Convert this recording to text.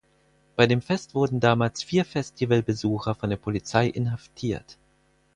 Bei dem Fest wurden damals vier Festivalbesucher von der Polizei inhaftiert.